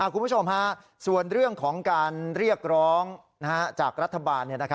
คุณผู้ชมส่วนเรื่องของการเรียกร้องจากรัฐบาล